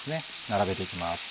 並べて行きます。